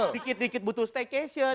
dikit dikit butuh staycation